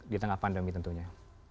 di tengah pandemi tentunya